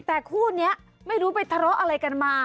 แต่คู่นี้ไม่รู้ไปทะเลาะอะไรกันมา